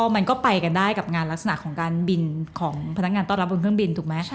มันก็ไปกันได้กับงานลักษณะของการบินของพนักงานต้อนรับบนเครื่องบินถูกไหม